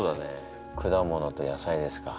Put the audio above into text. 果物と野菜ですか。